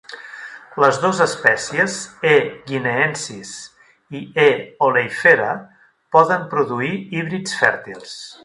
Les dos espècies, "E. guineensis" i "E. oleifera" poden produir híbrids fèrtils.